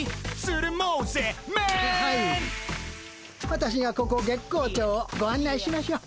私がここ月光町をご案内しましょう。